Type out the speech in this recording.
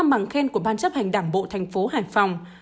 năm bằng khen của ban chấp hành đảng bộ thành phố hải phòng